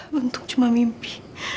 bentuk cuma mimpi